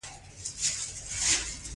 د توکو بیه په ډېره چټکۍ سره لوړېږي